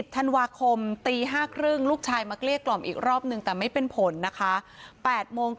ธันวาคมตี๕๓๐ลูกชายมาเกลี้ยกล่อมอีกรอบนึงแต่ไม่เป็นผลนะคะ